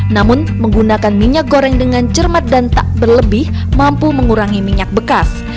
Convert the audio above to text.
namun menggunakan minyak goreng dengan cermat dan tak berlebih mampu mengurangi minyak bekas